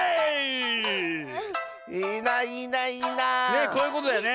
ねえこういうことだよね。